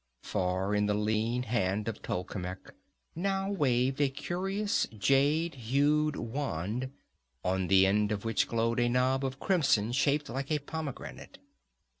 For in the lean hand of Tolkemec now waved a curious jade hued wand, on the end of which glowed a knob of crimson shaped like a pomegranate.